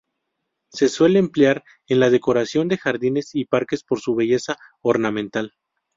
Se suele emplear en la decoración de jardines y parques por su belleza ornamental.